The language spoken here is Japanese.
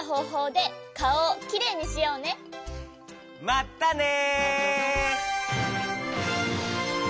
またね！